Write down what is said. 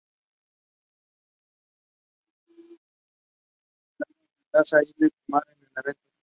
Mitch Gagnon esperaba enfrentarse a Issei Tamura en el evento.